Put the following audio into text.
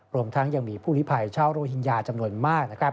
รวมทั้งยังมีผู้ลิภัยชาวโรฮิงญาจำนวนมาก